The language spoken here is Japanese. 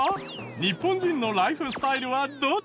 日本人のライフスタイルはどっち？